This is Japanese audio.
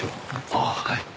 ああはい。